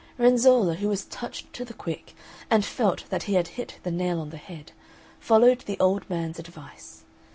Renzolla, who was touched to the quick, and felt that he had hit the nail on the head, followed the old man's advice.